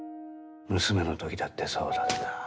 娘の時だってそうだった。